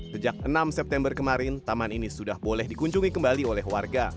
sejak enam september kemarin taman ini sudah boleh dikunjungi kembali oleh warga